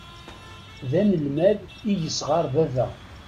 D anelmad i yesɣeṛ baba.